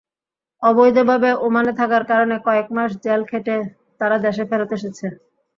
অবৈধভাবে ওমানে থাকার কারণে কয়েক মাস জেল খেটে তাঁরা দেশে ফেরত এসেছেন।